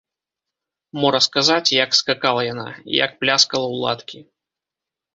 Мо расказаць, як скакала яна, як пляскала ў ладкі?